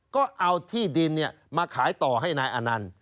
ก็เอาที่ดินนี่มาขายต่อให้นายอันนั้น